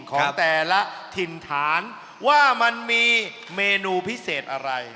ของแต่ละถิ่นฐานว่ามันมีเมนูพิเศษอะไร